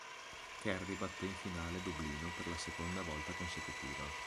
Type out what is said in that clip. Kerry batté in finale Dublino per la seconda volta consecutiva.